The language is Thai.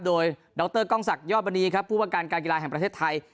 โดยดรก้องศักดิ์ยอบนีผู้บังการการกีฬาแห่งประเทศไทย